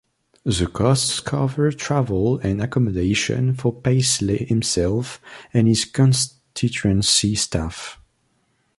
The costs covered travel and accommodation for Paisley himself and his constituency staff.